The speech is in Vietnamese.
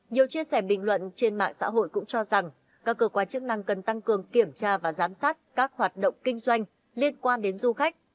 nhiều chia sẻ bình luận trên mạng xã hội cũng cho rằng các cơ quan chức năng cần tăng cường kiểm tra và giám sát các hoạt động kinh doanh liên quan đến du khách